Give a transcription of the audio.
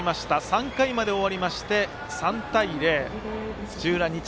３回まで終わりまして、３対０。